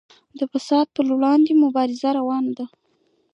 د فساد پر وړاندې مبارزه روانه ده